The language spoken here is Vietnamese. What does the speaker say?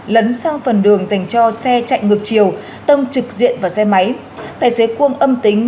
lấn sang phần đường dành cho xe chạy ngược chiều tông trực diện vào xe máy tài xế cuông âm tính